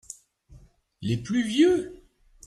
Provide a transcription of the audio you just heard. Les plus vieux.